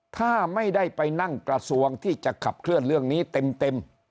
ถ้าไม่ได้ไปนั่งกระทรวงที่จะขับเคลื่อนเรื่องนี้เต็ม